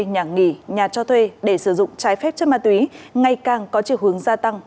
nhà nghỉ nhà cho thuê để sử dụng trái phép chất ma túy ngày càng có chiều hướng gia tăng